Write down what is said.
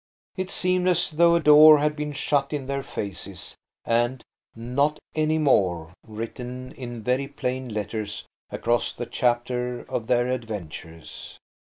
It seemed as though a door had been shut in their faces, and "Not any more," written in very plain letters across the chapter of their adventures.